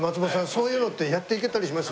そういうのってやっていけたりします？